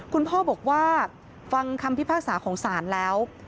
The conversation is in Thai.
คุณพ่อบอกว่าฟังคำพิพากษาของศาลแล้ว